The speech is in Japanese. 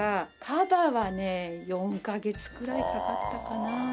カバはね４カ月くらいかかったかな。